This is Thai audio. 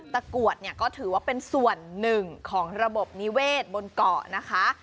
ตะกรวดก็ถือว่าเป็นส่วนหนึ่งของระบบนิเวศบนเกาะ